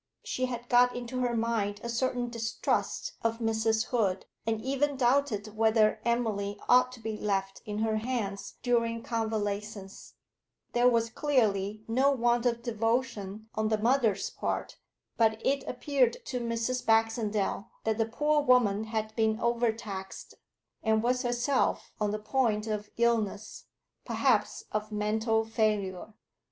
She had got into her mind a certain distrust of Mrs. Hood, and even doubted whether Emily ought to be left in her hands during convalescence; there was clearly no want of devotion on the mother's part, but it appeared to Mrs. Baxendale that the poor woman had been overtaxed, and was herself on the point of illness, perhaps of mental failure.